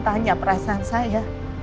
tanya perasaan saya